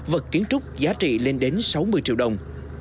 vật kiến trúc giá trị lên đến sáu mươi triệu đồng